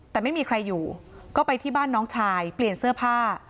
แต่ไม่มีใครอยู่ก็ไปที่บ้านน้องชายเปลี่ยนเสื้อผ้า